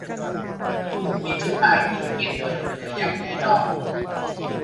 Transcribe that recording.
คุณมีจดหมายที่เขียนโดยเธออย่างแน่นอน